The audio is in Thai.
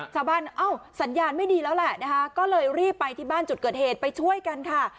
เอ้าสัญญาณไม่ดีแล้วแหละนะคะก็เลยรีบไปที่บ้านจุดเกิดเหตุไปช่วยกันค่ะ